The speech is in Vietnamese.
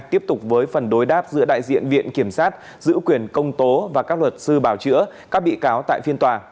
tiếp tục với phần đối đáp giữa đại diện viện kiểm sát giữ quyền công tố và các luật sư bảo chữa các bị cáo tại phiên tòa